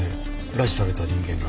拉致された人間が。